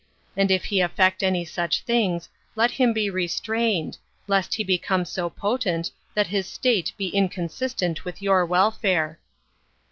And if he affect any such things, let him be restrained, lest he become so potent that his state be inconsistent with your welfare.